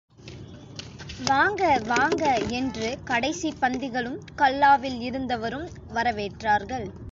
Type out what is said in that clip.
வாங்க வாங்க, என்று கடைசிப் பந்திகளும், கல்லாவில் இருந்தவரும் வரவேற்றார்கள்.